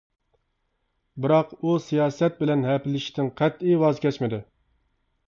بىراق ئۇ سىياسەت بىلەن ھەپىلىشىشتىن قەتئىي ۋاز كەچمىدى.